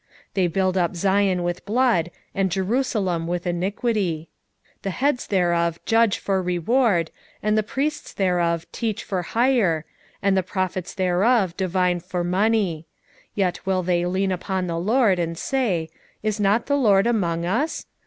3:10 They build up Zion with blood, and Jerusalem with iniquity. 3:11 The heads thereof judge for reward, and the priests thereof teach for hire, and the prophets thereof divine for money: yet will they lean upon the LORD, and say, Is not the LORD among us?